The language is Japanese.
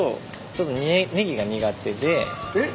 えっ？